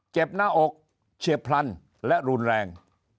หน้าอกเฉียบพลันและรุนแรง